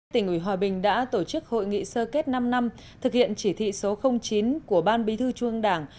tỉnh ủy hòa bình đã tổ chức hội nghị sơ kết năm năm thực hiện chỉ thị số chín của ban bí thư trung ương đảng